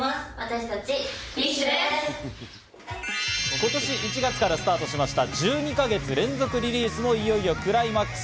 今年１月からスタートしました、１２か月連続リリースもいよいよクライマックス。